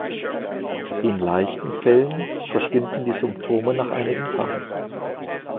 In leichten Fällen verschwinden die Symptome nach einigen Tagen.